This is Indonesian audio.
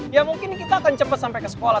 ya mungkin kita akan cepat sampai ke sekolah